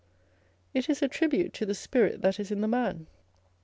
it is a tribute to the spirit that is in the man.